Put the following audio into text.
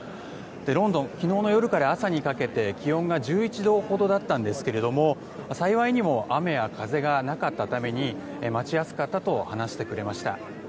ロンドン昨日の夜から朝にかけて気温が１１度ほどだったんですけれども幸いにも雨や風がなかったために待ちやすかったと話してくれました。